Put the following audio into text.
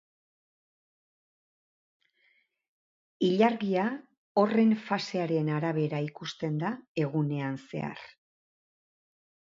Ilargia horren fasearen arabera ikusten da egunean zehar.